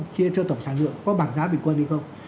chia cho tổng sản lượng có bảng giá bình quân hay không